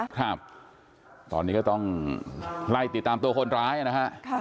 ครับตอนนี้ก็ต้องไล่ติดตามตัวคนร้ายนะฮะ